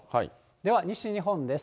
では西日本です。